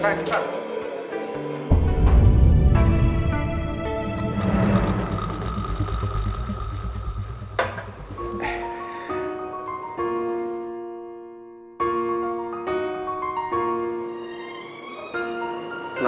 laman eh kita kita